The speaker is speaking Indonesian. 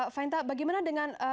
fainta bagaimana dengan